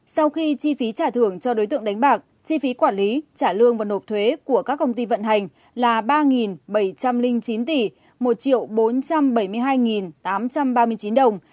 sau khi chi phí trả thưởng cho đối tượng đánh bạc chi phí quản lý trả lương và nộp thuế của các công ty vận hành là ba bảy trăm linh chín tỷ một bốn trăm bảy mươi hai tám trăm ba mươi chín đồng